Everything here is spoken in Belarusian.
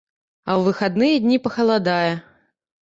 А ў выхадныя дні пахаладае.